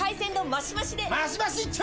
マシマシ一丁！